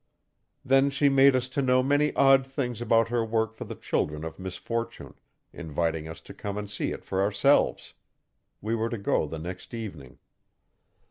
Then she made us to know many odd things about her work for the children of misfortune inviting us to come and see it for ourselves. We were to go the next evening.